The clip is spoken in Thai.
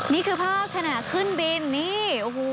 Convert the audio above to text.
นี่คือภาพขณะขึ้นบินนี่